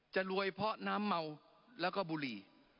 จะรวยเพราะน้ำเมาแล้วก็บุหรี่